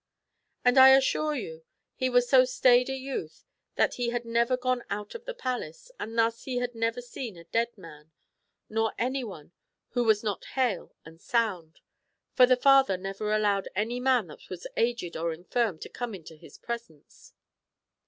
And I assure you he was so staid a youth that he had never gone out of the palace, and thus he had never seen a dead man, nor any one who was not hale and sound ; for the father never allowed any man that was aged or infirm to come into his presence.